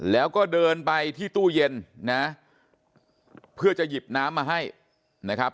แล้วก็เดินไปที่ตู้เย็นนะเพื่อจะหยิบน้ำมาให้นะครับ